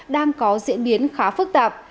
đang có diễn biến khá phức tạp